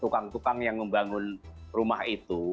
tukang tukang yang membangun rumah itu